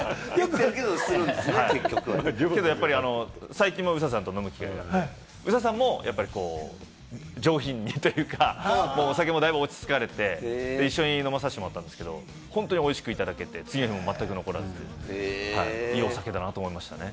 最近もＵＳＡさんと飲む機会があって、ＵＳＡさんも上品にというかお酒もだいぶ落ち着かれて、一緒に飲まさせてもらったんですけれども、本当に美味しくいただけて、次の日も残らない、いいお酒だなと思いましたね。